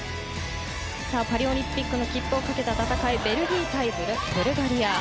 パリオリンピックの切符をかけた戦いベルギー対ブルガリア。